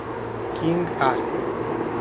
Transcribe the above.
King Arthur